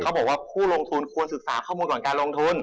บอกว่าผู้ลงทุนควรศึกษาข้อมูลก่อนการลงทุน